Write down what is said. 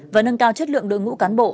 và nâng cao chất lượng đội ngũ cán bộ